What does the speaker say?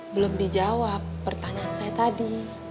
belum dijawab pertanyaan saya tadi